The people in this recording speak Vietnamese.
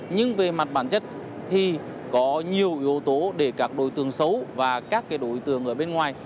nhưng về mặt bản chất thì có nhiều yếu tố để các đối tượng xấu và các đối tượng ở bên ngoài